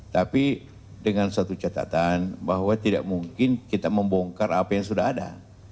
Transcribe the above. tapi dengan satu catatan bahwa tidak mungkin kita membongkar apa yang sudah ada